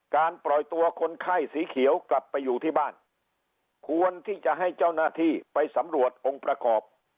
ปล่อยตัวคนไข้สีเขียวกลับไปอยู่ที่บ้านควรที่จะให้เจ้าหน้าที่ไปสำรวจองค์ประกอบ